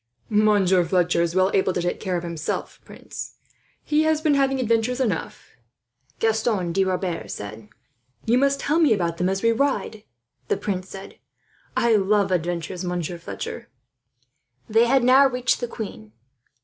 "Monsieur Fletcher is well able to take care of himself, prince. He has been having adventures enough," Gaston de Rebers said. "You must tell me about them as we ride," the prince said. "I love adventures, Monsieur Fletcher." They had now reached the queen.